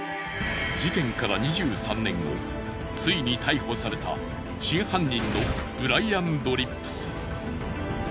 事件から２３年後ついに逮捕された真犯人のブライアン・ドリップス。